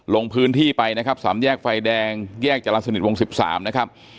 ลงพื้นที่ไปนะครับสามแยกไฟแดงแยกจรรย์สนิทวง๑๓นะครับ